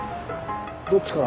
どっちから？